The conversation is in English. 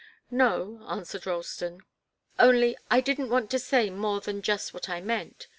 "No," answered Ralston. "Only I didn't want to say more than just what I meant.